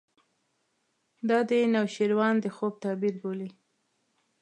دا د نوشیروان د خوب تعبیر بولي.